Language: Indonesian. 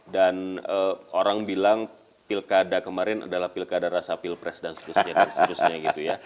dan orang bilang pilkada kemarin adalah pilkada rasa pilpres dan seterusnya gitu ya